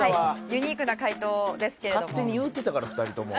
ユニークな解答ですけれども。